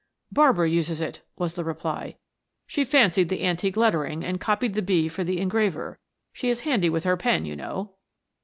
"Barbara uses it," was the reply. "She fancied the antique lettering, and copied the 'B' for the engraver; she is handy with her pen, you know."